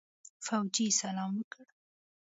فوجي سلام وکړ.